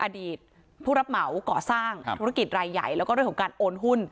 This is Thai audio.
อดีตผู้รับเหมาก่อสร้างธุรกิจรายใหญ่แล้วก็เรื่องของการโอนหุ้น